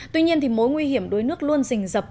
tuy nhiên thì mối nguy hiểm đối nước luôn rình rập